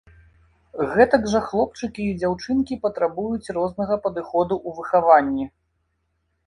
Гэтак жа хлопчыкі і дзяўчынкі патрабуюць рознага падыходу ў выхаванні.